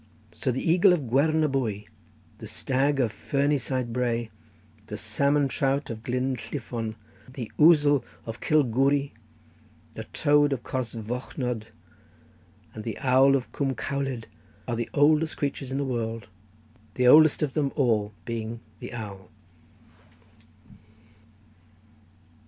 So the eagle of Gwernabwy, the stag of Ferny side brae, the salmon trout of Glyn Llifon, the ousel of Cilgwry, the toad of Cors Fochnod, and the owl of Coomb Cowlyd, are the oldest creatures in the world, the oldest of them all being the owl."